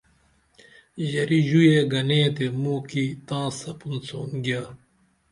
ژریہ ژوئیے گنے تے موکی تاں سپُن سون گیا